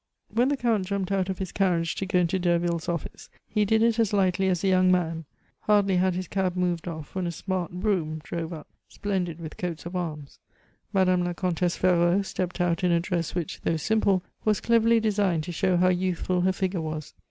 When the Count jumped out of his carriage to go into Derville's office, he did it as lightly as a young man. Hardly had his cab moved off, when a smart brougham drove up, splendid with coats of arms. Madame la Comtesse Ferraud stepped out in a dress which, though simple, was cleverly designed to show how youthful her figure was.